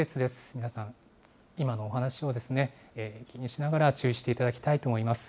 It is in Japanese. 皆さん、今のお話を気にしながら、注意していただきたいと思います。